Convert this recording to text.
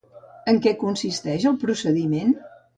En què consisteix el procediment?